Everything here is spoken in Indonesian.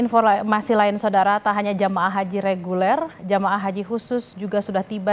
informasi lain saudara tak hanya jamaah haji reguler jemaah haji khusus juga sudah tiba